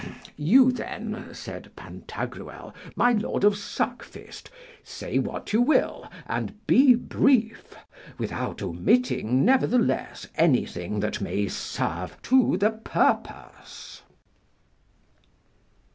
You then, said Pantagruel, my Lord of Suckfist, say what you will, and be brief, without omitting, nevertheless, anything that may serve to the purpose.